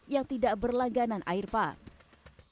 yang tidak berlangganan air pump